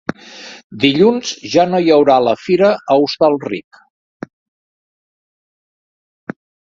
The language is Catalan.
Dilluns ja no hi haurà la fira a Hostalric.